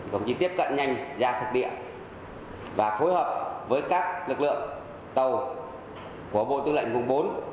cũng chỉ tiếp cận nhanh ra thực địa và phối hợp với các lực lượng tàu của bộ tư lệnh vùng bốn